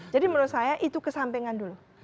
jadi menurut saya itu kesampingan dulu